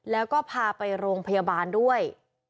แล้วก็พาไปโรงพยาบาลด้วย